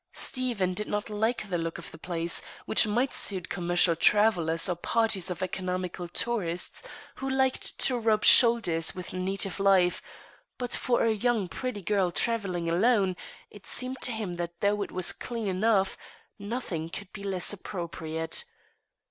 Stephen did not like the look of the place, which might suit commercial travellers or parties of economical tourists who liked to rub shoulders with native life; but for a pretty young girl travelling alone, it seemed to him that, though it was clean enough, nothing could be less appropriate.